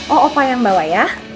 oh opa yang bawa ya